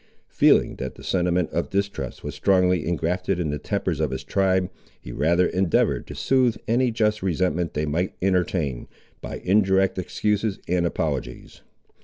Feeling that the sentiment of distrust was strongly engrafted in the tempers of his tribe, he rather endeavoured to soothe any just resentment they might entertain, by indirect excuses and apologies.